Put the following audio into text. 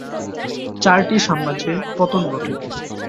চারটি সাম্রাজ্যের পতন ঘটে।